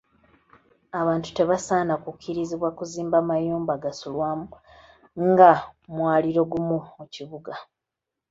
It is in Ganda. Abantu tebasaana kukkirizibwa kuzimba mayumba gasulwamu nga ga mwaliiro gumu mu kibuga.